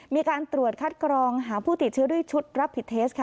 มีการตรวจคัดกรองหาผู้ติดเชื้อด้วยชุดรับผิดเทสค่ะ